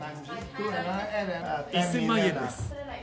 １０００万円です。